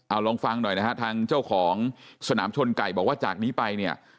เอาลองฟังหน่อยนะฮะทางเจ้าของสนามชนไก่บอกว่าจากนี้ไปเนี่ย